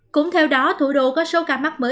cũng theo đó thủ đô có số ca mắc mới